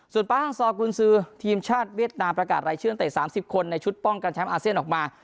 ส่วนป้าฮังซอกุญซือทีมชาติเวียดนามประกาศรายชื่อเตะ๓๐คนในชุดป้องกันแชมป์อาเซียนออกมา